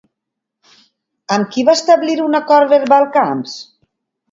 Amb qui va establir un acord verbal Camps?